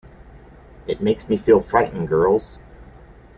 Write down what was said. It makes me feel frightened, girls.